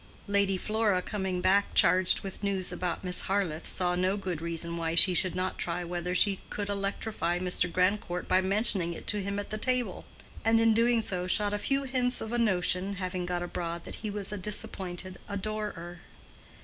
Lady Flora, coming back charged with news about Miss Harleth, saw no good reason why she should not try whether she could electrify Mr. Grandcourt by mentioning it to him at the table; and in doing so shot a few hints of a notion having got abroad that he was a disappointed adorer.